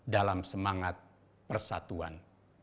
dalam semangat persatuan